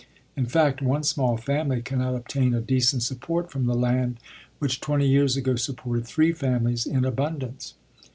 In fact, one small family cannot obtain a decent support from the land which twenty years ago supported three families in abundance.